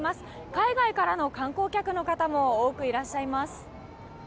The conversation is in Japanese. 海外からの観光客の方も多くいらっしゃいます。